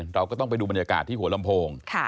เราก็ต้องไปดูบรรยากาศที่หัวลำโพง